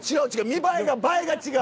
見栄えが映えが違う。